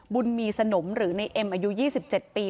บุญมีสนมหรือในเอ็มอายุ๒๗ปี